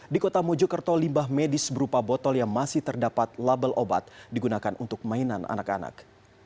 di kota mojokerto limbah medis berupa botol yang masih terdapat label obat digunakan untuk mainan anak anak